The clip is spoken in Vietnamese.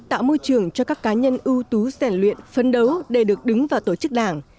tạo môi trường cho các cá nhân ưu tú giản luyện phấn đấu để được đứng vào tổ chức đảng